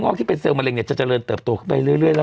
ที่เป็นเซลล์มะเร็งเนี่ยจะเจริญเติบโตขึ้นไปเรื่อยแล้ว